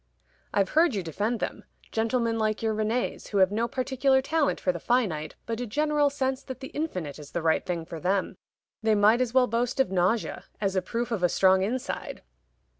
"I've heard you defend them gentlemen like your Rénés, who have no particular talent for the finite, but a general sense that the infinite is the right thing for them. They might as well boast of nausea as a proof of a strong inside."